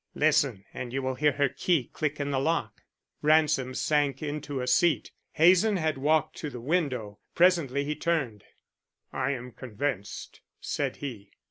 "Listen and you will hear her key click in the lock." Ransom sank into a seat; Hazen had walked to the window. Presently he turned. "I am convinced," said he.